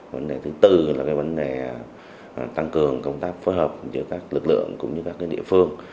vấn đề thứ tư là tăng cường công tác phối hợp giữa các lực lượng cũng như các địa phương